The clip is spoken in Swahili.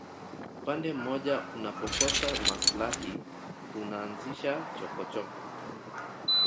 upande mmoja unapokosa maslahi unaanzisha chokochoko